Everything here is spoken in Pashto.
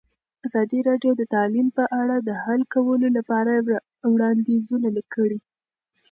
ازادي راډیو د تعلیم په اړه د حل کولو لپاره وړاندیزونه کړي.